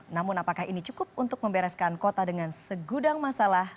namun apakah ini cukup untuk membereskan kota dengan segudang masalah